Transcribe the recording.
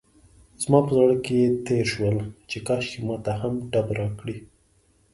زما په زړه کې تېر شول چې کاشکې ماته هم ډب راکړي.